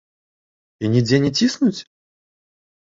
І нідзе не ціснуць?